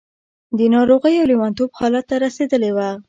د ناروغۍ او لېونتوب حالت ته رسېدلې وه.